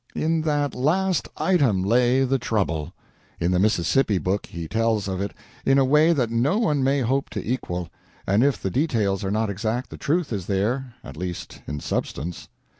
In that last item lay the trouble. In the Mississippi book he tells of it in a way that no one may hope to equal, and if the details are not exact, the truth is there at least in substance.